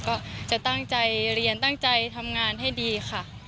ก็จะตั้งใจเรียนตั้งใจทำงานให้ดีค่ะ